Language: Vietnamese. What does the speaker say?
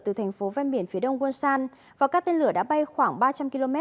từ thành phố ven biển phía đông wonsan và các tên lửa đã bay khoảng ba trăm linh km